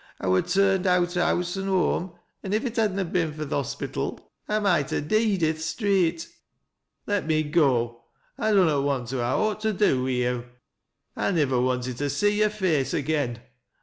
I wur turned out o' house an' home, an' if it had na been fur th' hospytal, I might ha' deed i' th' street. Let me go. I dunnot want to ha' awt to do wi' yo'. 1 nivver wanted to see yore face agen.